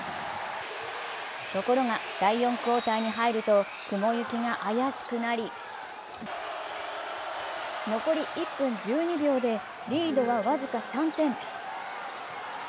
ところが第４クオーターに入ると雲行きが怪しくなり残り１分１２秒でリードは僅か３点。